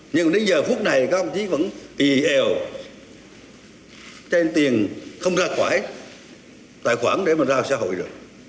nhưng mà đến giờ phút này các ông chỉ vẫn ị hèo trên tiền không ra quải tài khoản để mà ra xã hội rồi